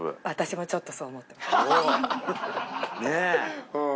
私もちょっとそう思ってます。ねぇ。